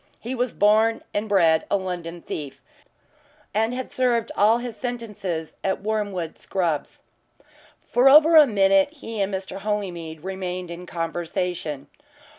He was born and bred a London thief, and had served all his sentences at Wormwood Scrubbs. For over a minute he and Mr. Holymead remained in conversation.